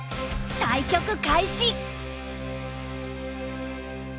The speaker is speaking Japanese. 対局開始！